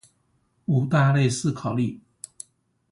五大類思考力